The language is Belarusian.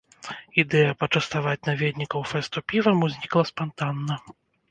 Ідэя пачаставаць наведнікаў фэсту півам узнікла спантанна.